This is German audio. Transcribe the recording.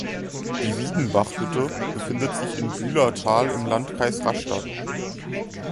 Die Wiedenbachhütte befindet sich in Bühlertal im Landkreis Rastatt.